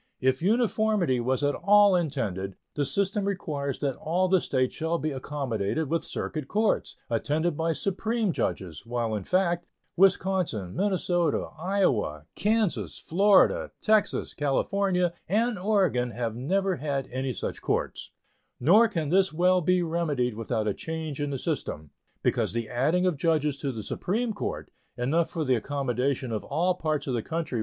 If uniformity was at all intended, the system requires that all the States shall be accommodated with circuit courts, attended by Supreme judges, while, in fact, Wisconsin, Minnesota, Iowa, Kansas, Florida, Texas, California, and Oregon have never had any such courts. Nor can this well be remedied without a change in the system, because the adding of judges to the Supreme Court, enough for the accommodation of all parts of the country with circuit courts, would create a court altogether too numerous for a judicial body of any sort.